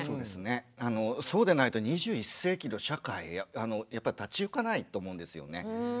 そうでないと２１世紀の社会やっぱ立ちゆかないと思うんですよね。